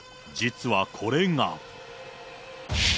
実は、これが。